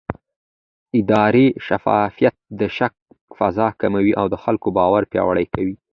اداري شفافیت د شک فضا کموي او د خلکو باور پیاوړی کوي